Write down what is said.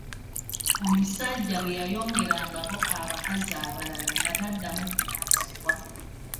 Omusajja bwe yayongerangako abakazi abalala nga taddamu kunaazibwa.